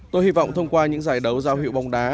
tôi hy vọng thông qua những giải đấu giao hiệu bóng đá